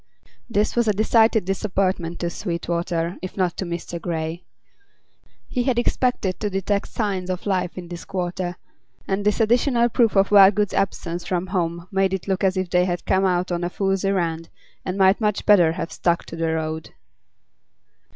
This was a decided disappointment to Sweetwater, if not to Mr. Grey. He had expected to detect signs of life in this quarter, and this additional proof of Wellgood's absence from home made it look as if they had come out on a fool's errand and might much better have stuck to the road.